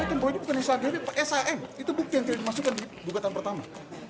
ini bukan isyadir ini s a m itu bukti yang terima di bukatan pertama